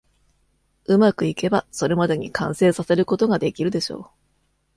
うまくいけば、それまでに完成させることができるでしょう。